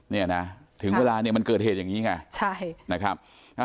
เนี่ยนะถึงเวลาเนี่ยมันเกิดเหตุอย่างนี้ไงใช่นะครับ